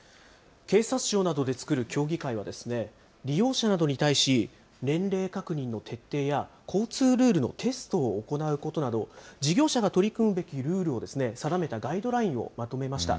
警察庁などで作る協議会は、利用者などに対し、年齢確認の徹底や交通ルールのテストを行うことなど、事業者が取り組むべきルールを定めたガイドラインをまとめました。